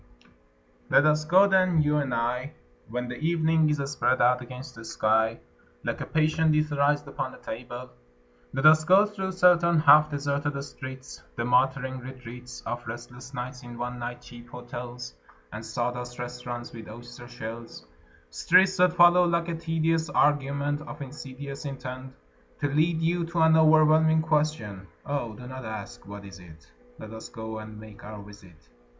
LET us go then, you and I, When the evening is spread out against the sky Like a patient etherised upon a table; Let us go, through certain half deserted streets, The muttering retreats Of restless nights in one night cheap hotels And sawdust restaurants with oyster shells: Streets that follow like a tedious argument Of insidious intent To lead you to an overwhelming question. .. Oh, do not ask, "What is it?" Let us go and make our visit.